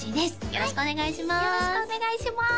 よろしくお願いします